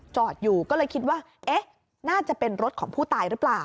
จอดอยู่ก็เลยคิดว่าเอ๊ะน่าจะเป็นรถของผู้ตายหรือเปล่า